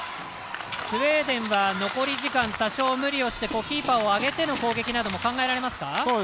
スウェーデンは残り時間多少無理をしてキーパーを上げての攻撃なども考えられますか。